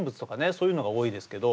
そういうのが多いですけど。